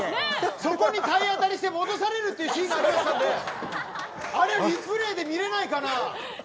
そこに体当たりして戻されるシーンがありましたのであれＲＥＰＬＡＹで見れないかな。